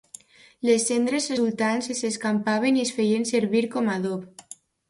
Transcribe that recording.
Les cendres resultants s'escampaven i es feien servir com a adob.